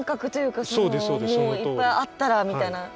いっぱいあったらみたいな。